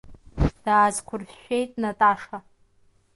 Даазқәыршәшәеит Наташа.